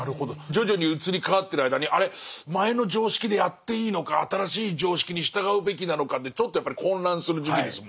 徐々に移り変わってる間にあれっ前の常識でやっていいのか新しい常識に従うべきなのかでちょっとやっぱり混乱する時期ですもんね。